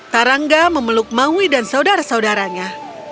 tarangga memeluk maui dan saudara saudaranya